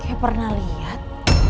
kayaknya pernah liat